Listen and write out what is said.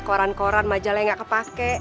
koran koran majalah yang nggak kepake